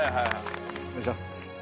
お願いします。